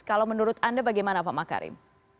kalau menurut anda bagaimana pak makarim